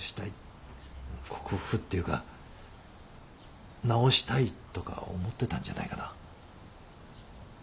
克服っていうか直したいとか思ってたんじゃないかな。